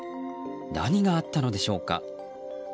何があったのでしょうか？